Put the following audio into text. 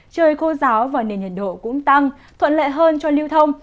trời khô giáo và nền nhiệt độ cũng tăng thuận lợi hơn cho lưu thông